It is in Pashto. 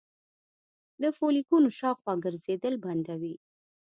د فولیکونو شاوخوا ګرځیدل بندوي